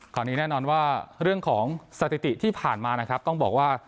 แน่นอนว่าเรื่องของสถิติที่ผ่านมานะครับต้องบอกว่า